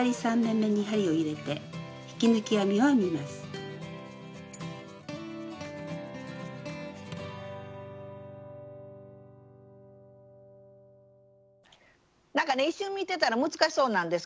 段の終わりはなんかね一瞬見てたら難しそうなんですけどね